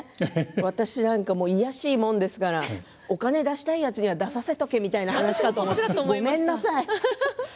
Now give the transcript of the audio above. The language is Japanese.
私なんか卑しいもんですからお金を出したいやつには出させておけばみたいな話だと思いました、ごめんなさい。